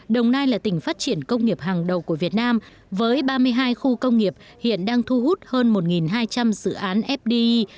đồng nai là tỉnh phát triển công nghiệp hàng đầu của việt nam với ba mươi hai khu công nghiệp hiện đang thu hút hơn một hai trăm linh dự án fdi